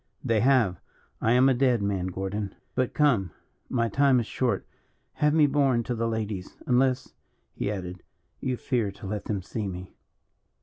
"They have. I am a dead man, Gordon. But come, my time is short; have me borne to the ladies unless," he added, "you fear to let them see me."